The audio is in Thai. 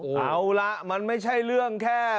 เอาล่ะมันไม่ใช่เรื่องแค่